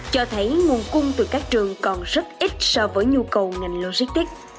cho thấy nguồn cung từ các trường còn rất ít so với nhu cầu ngành logistics